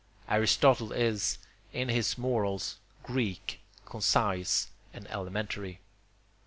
Aristotle is, in his morals, Greek, concise, and elementary.